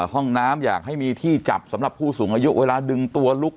ห้องน้ำอยากให้มีที่จับสำหรับผู้สูงอายุเวลาดึงตัวลุก